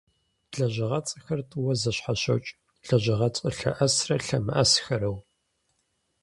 Лэжьыгъэцӏэхэр тӏууэ зэщхьэщокӏ - лэжьыгъэцӏэ лъэӏэсрэ лъэмыӏэсхэрэу.